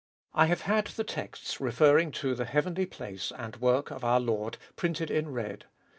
1 1 have had the texts referring to the heavenly place and work of our Lord printed in red.